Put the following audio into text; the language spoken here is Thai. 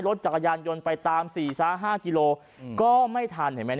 รถจักรยานยนต์ไปตาม๔๕กิโลก็ไม่ทันเห็นไหม